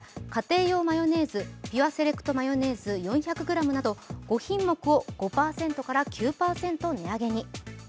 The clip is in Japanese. ４月１日納品分から家庭用マヨネーズピュアセレクトマヨネーズ４００ｇなど５品目を５％から９％値上げに。